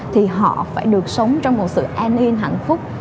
thì họ phải được sống trong một sự an yên hạnh phúc